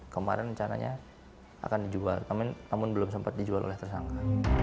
kemarin rencananya akan dijual namun belum sempat dijual oleh tersangka